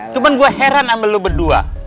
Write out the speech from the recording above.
cuman gua heran sama lu berdua